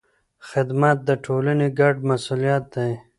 خدمت د ټولنې ګډ مسؤلیت دی.